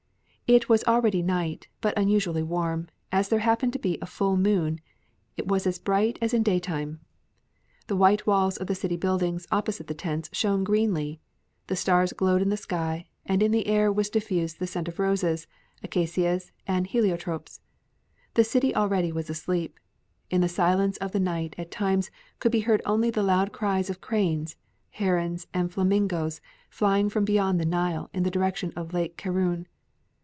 It was already night but unusually warm; as there happened to be full moon it was as bright as in daytime. The white walls of the city buildings opposite the tents shone greenly; the stars glowed in the sky, and in the air was diffused the scent of roses, acacias, and heliotropes. The city already was asleep. In the silence of the night at times could be heard only the loud cries of cranes, herons, and flamingoes flying from beyond the Nile in the direction of Lake Karûn.